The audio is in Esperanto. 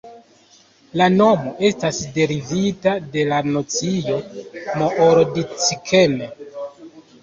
La nomo estas derivita de la nocio "moor-dicken".